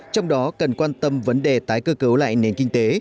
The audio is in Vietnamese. trong đó cần quan tâm vấn đề tái cơ cấu lại nền kinh tế